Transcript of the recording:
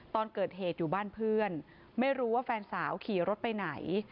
ตอนเกิดเหตุอยู่บ้านเพื่อนไม่รู้ว่าแฟนสาวขี่รถไปไหน